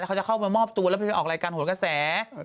เขาจะเข้ามามอบตัวแล้วไปออกรายการหัวกระแส